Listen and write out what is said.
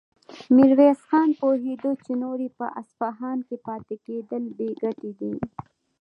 ميرويس خان پوهېده چې نور يې په اصفهان کې پاتې کېدل بې ګټې دي.